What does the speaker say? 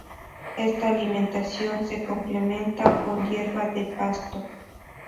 Esta alimentación se complementa con hierba de pasto.